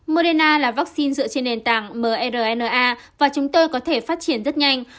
moderna là vaccine dựa trên nền tảng mrna và chúng tôi có thể phát triển rất nhanh